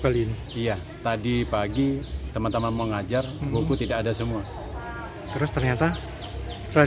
kali ini iya tadi pagi teman teman mengajar buku tidak ada semua terus ternyata setelah